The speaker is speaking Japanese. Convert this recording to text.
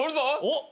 おっ！